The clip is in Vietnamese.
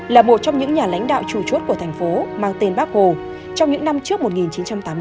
là một trong những nhà lãnh đạo chủ chốt của thành phố mang tên bác hồ trong những năm trước một nghìn chín trăm tám mươi năm